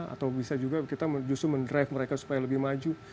atau bisa juga kita justru mendrive mereka supaya lebih maju